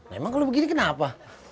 emang kalo begini kenapa